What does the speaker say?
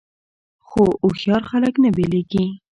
خو هوښیار خلک نه بیلیږي.